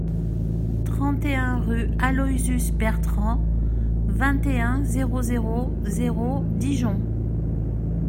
trente et un rue Aloysius Bertrand, vingt et un, zéro zéro zéro, Dijon